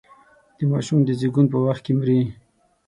د ماشوم د زېږون په وخت کې مري.